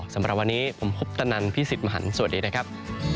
สำหรับวันนี้ผมคุปตนันพี่สิทธิ์มหันฯสวัสดีนะครับ